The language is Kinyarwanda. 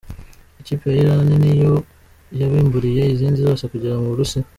Ikipe ya Irani ni yo yabimburiye izindi zose kugera mu Burusiya.